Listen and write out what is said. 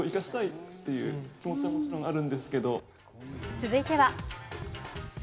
続いては。